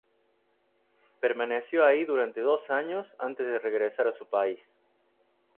Permaneció ahí durante dos años antes de regresar a su país.